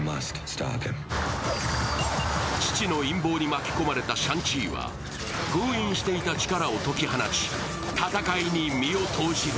父の陰謀に巻き込まれたシャン・チーは封印していた力を解き放ち、戦いに身を投じる。